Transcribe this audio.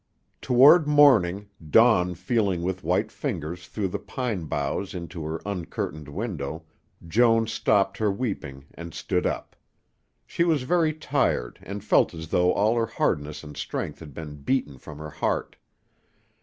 Toward morning, dawn feeling with white fingers through the pine boughs into her uncurtained window, Joan stopped her weeping and stood up. She was very tired and felt as though all the hardness and strength had been beaten from her heart.